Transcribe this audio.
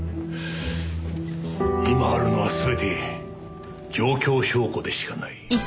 今あるのは全て状況証拠でしかない。